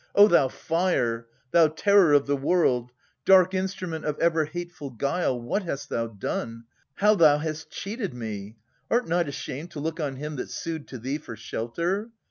O thou fire. Thou terror of the world ! Dark instrument Of ever hateful guile !— What hast thou done ? How thou hast cheated me ! Art not ashamed To look on him that sued to thee for shelter?